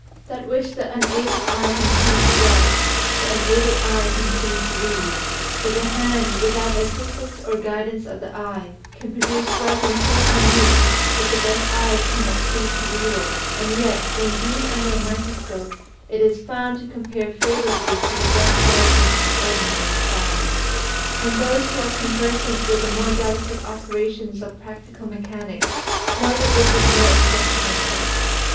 That which the unaided eye can see to write, the unaided eye can see to read, but the hand, without the assistance or guidance of the eye, can produce writing so minute that the best eyes cannot see to read it, and yet, when viewed under a microscope, it is found to compare favorably with the best writing of ordinary size. And those who are conversant with the more delicate operations of practical mechanics, know that this is no ex 138 THE SEVEN FOLLIES OF SCIENCE ceptional case.